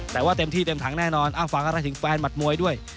แต่ว่าเต็มที่เต็มถังแน่นอนฝากอะไรถึงแฟนหมัดมวยด้วย